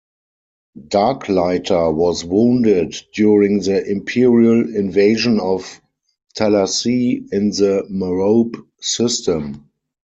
Darklighter was wounded during the Imperial invasion of Talasea in the Morobe system.